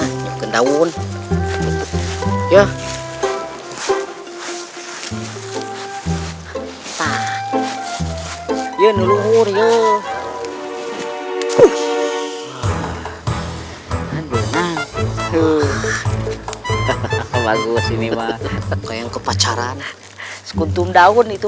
hai yang ngurur yo yo hai aduh enak tuh kembali sini banget kayak kepacaran sekuntum daun itu